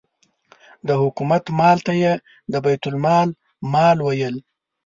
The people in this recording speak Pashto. د حکومت مال ته یې د بیت المال مال ویل.